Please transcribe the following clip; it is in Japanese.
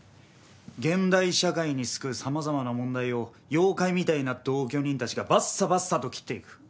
現代社会に巣くう様々な問題を妖怪みたいな同居人たちがバッサバッサと斬っていく。